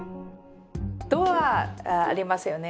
ドアありますよね